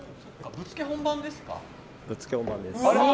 ぶっつけ本番です。